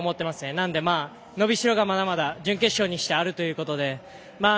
なので、伸びしろがまだまだ準決勝にして、あるということで。